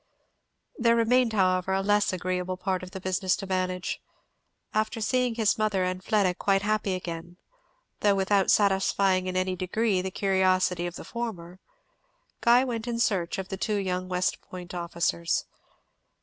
There remained however a less agreeable part of the business to manage. After seeing his mother and Fleda quite happy again, though without satisfying in any degree the curiosity of the former, Guy went in search of the two young West Point officers.